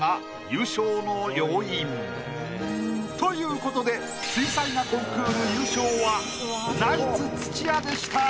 ということで水彩画コンクール優勝はナイツ・土屋でした。